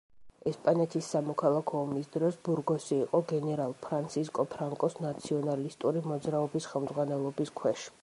ესპანეთის სამოქალაქო ომის დროს ბურგოსი იყო გენერალ ფრანსისკო ფრანკოს ნაციონალისტური მოძრაობის ხელმძღვანელობის ქვეშ.